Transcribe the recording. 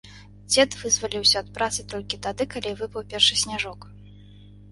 Дзед вызваліўся ад працы толькі тады, калі выпаў першы сняжок.